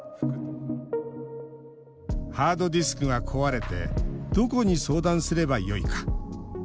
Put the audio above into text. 「ハードディスクが壊れてどこに相談すればよいか」